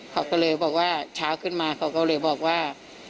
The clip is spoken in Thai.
เขาก็เลยบอกว่าเช้าขึ้นมาเขาก็เลยบอกว่า